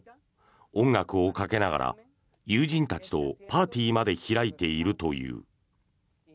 音楽をかけながら友人たちとパーティーまで開いているという。